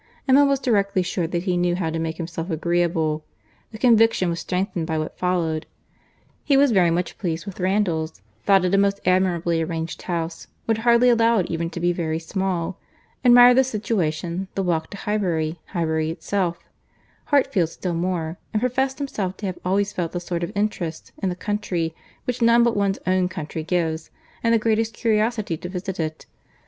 Emma was directly sure that he knew how to make himself agreeable; the conviction was strengthened by what followed. He was very much pleased with Randalls, thought it a most admirably arranged house, would hardly allow it even to be very small, admired the situation, the walk to Highbury, Highbury itself, Hartfield still more, and professed himself to have always felt the sort of interest in the country which none but one's own country gives, and the greatest curiosity to visit it.